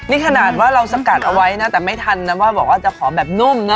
นี่ขนาดว่าเราสกัดเอาไว้นะแต่ไม่ทันนะว่าบอกว่าจะขอแบบนุ่มนะ